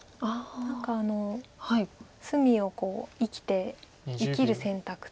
何か隅を生きて生きる選択とか。